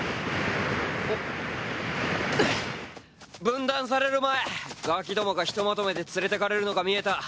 分断される前ガキどもがひとまとめで連れてかれるのが見えた。